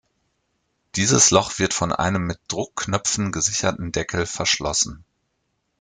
Dieses Loch wird von einem mit Druckknöpfen gesicherten Deckel verschlossen.